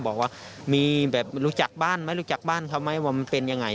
บอกว่ามีแบบรู้จักบ้านไหมรู้จักบ้านเขาไหมว่ามันเป็นยังไง